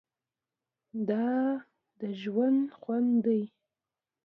دا د ژوند خوند دی.